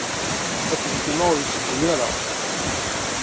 Aselkim-a ur yetteddu ara.